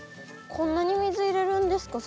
こんなに水入れるんですか？